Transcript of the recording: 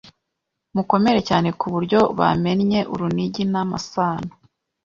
Mukomere cyane kuburyo bamennye urunigi n'amasano